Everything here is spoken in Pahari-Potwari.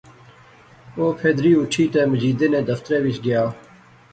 او پھیدری اُٹھی تے مجیدے نے دفترے وچ گیا